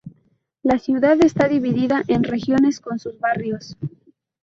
La ciudad está dividida en regiones con sus barrios.